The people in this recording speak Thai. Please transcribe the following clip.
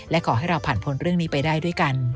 และขอให้เราผ่านพ้นเรื่องนี้ไปได้ด้วยกัน